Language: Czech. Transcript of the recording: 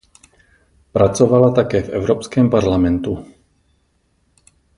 Pracovala také v Evropském parlamentu.